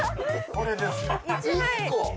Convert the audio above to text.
これですよ。